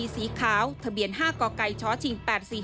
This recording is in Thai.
สีขาวทะเบียน๕กกชชิง๘๔๔